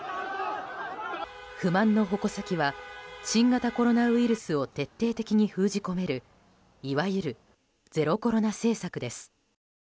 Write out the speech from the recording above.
不満の矛先は新型コロナウイルスを徹底的に封じ込めるいわゆるゼロコロナ政策です。